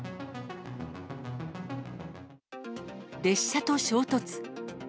列車と衝突。